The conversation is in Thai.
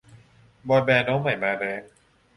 บอยแบนด์น้องใหม่มาแรง